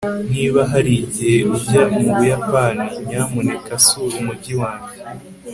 niba hari igihe ujya mu buyapani, nyamuneka sura umujyi wanjye